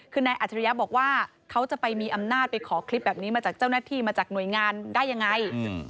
คือนายอัจฉริยะบอกว่าเขาจะไปมีอำนาจไปขอคลิปแบบนี้มาจากเจ้าหน้าที่มาจากหน่วยงานได้ยังไง